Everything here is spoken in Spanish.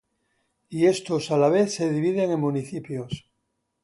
Y estos a la vez se dividen en Municipios.